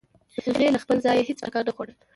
هغې له خپل ځايه هېڅ ټکان نه خوړ.